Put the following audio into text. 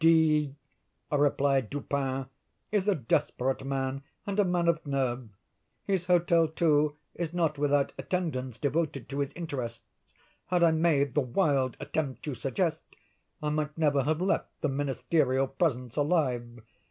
"D——," replied Dupin, "is a desperate man, and a man of nerve. His hotel, too, is not without attendants devoted to his interests. Had I made the wild attempt you suggest, I might never have left the Ministerial presence alive.